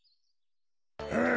うん。